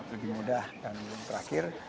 lebih mudah dan terakhir